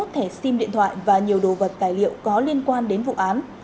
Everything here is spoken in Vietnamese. sáu mươi một thẻ sim điện thoại và nhiều đồ vật tài liệu có liên quan đến vụ án